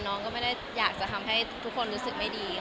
น้องก็ไม่ได้อยากจะทำให้ทุกคนรู้สึกไม่ดี